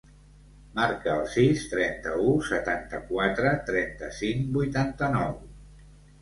Marca el sis, trenta-u, setanta-quatre, trenta-cinc, vuitanta-nou.